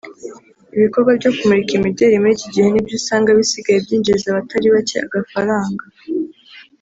Ibikorwa byo kumurika imideri muri iki gihe nibyo usanga bisigaye byinjiriza abatari bake agafaranga